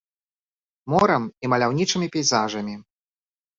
Морам і маляўнічымі пейзажамі.